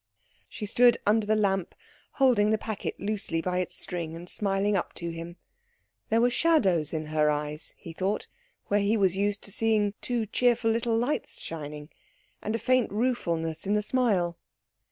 She stood under the lamp, holding the packet loosely by its string and smiling up to him. There were shadows in her eyes, he thought, where he was used to seeing two cheerful little lights shining, and a faint ruefulness in the smile.